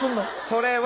それは。